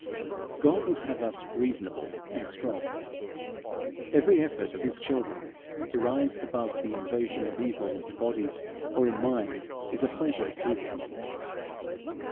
God would have us reasonable and strong. Every effort of his children to rise above the invasion of evil in body or in mind is a pleasure to him.